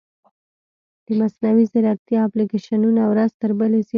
د مصنوعي ځیرکتیا اپلیکیشنونه ورځ تر بلې زیاتېږي.